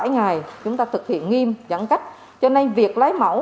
bảy ngày chúng ta thực hiện nghiêm giãn cách cho nên việc lấy mẫu